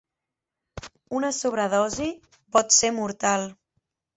Una sobredosi pot ser mortal.